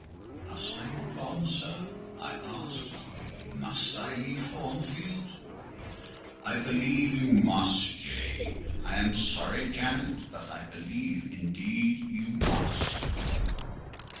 "Must I move on, sir?" I asked. "Must I leave Thornfield?" "I believe you must, Jane. I am sorry, Janet, but I believe indeed you must."